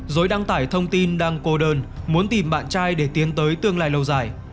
rồi đăng tải thông tin đang cô đơn muốn tìm bạn trai để tiến tới tương lai lâu dài